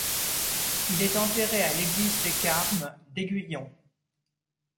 Il est enterré à l'église des Carmes d'Aiguillon.